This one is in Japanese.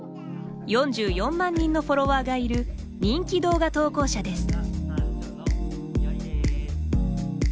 ４４万人のフォロワーがいる人気動画投稿者です。